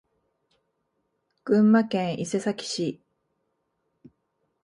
群馬県伊勢崎市